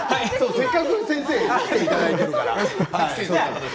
せっかく先生に来ていただいているから。